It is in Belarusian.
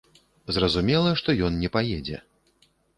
Зразумела, што ён не паедзе.